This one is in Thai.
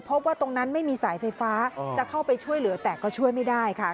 พบว่าตรงนั้นไม่มีสายไฟฟ้าจะเข้าไปช่วยเหลือแต่ก็ช่วยไม่ได้ค่ะ